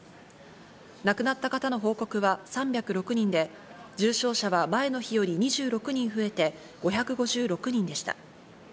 亡くなった方の報告は３０６人で、重症者は前の日より２６人増えて、５５６人でした。